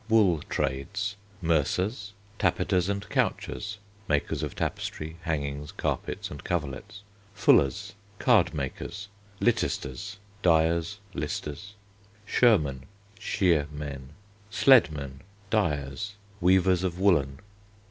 Wool Trades: Mercers. Tapiters and couchers (makers of tapestry, hangings, carpets, and coverlets). Fullers. Cardmakers. Littesters (dyers, listers). Shermen (shearmen). Sledmen. Dyers. Weavers of woollen.